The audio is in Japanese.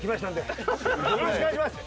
よろしくお願いします。